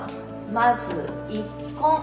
「まず一献」。